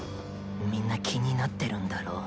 みんな気になってるんだろ？